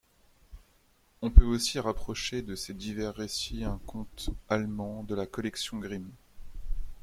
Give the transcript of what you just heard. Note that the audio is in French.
On peut aussi rapprocher de ces divers récits un conte allemand de la collection Grimm.